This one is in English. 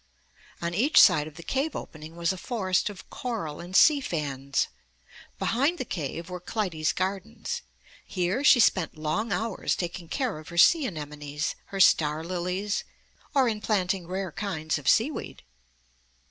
On each side of the cave opening was a forest of coral and sea fans. Behind the cave were Clytie's gardens. Here she spent long hours taking care of her sea anemones, her star lilies, or in planting rare kinds of seaweed.